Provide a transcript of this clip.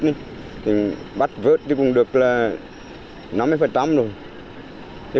thì bắt vớt chứ cũng được là năm mươi rồi